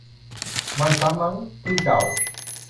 มันซ้ำมั้ง ที่เก่า